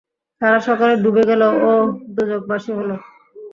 তারা সকলে ডুবে গেল ও দোযখবাসী হল।